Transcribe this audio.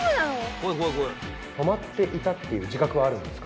怖い怖い怖い止まっていたっていう自覚はあるんですか？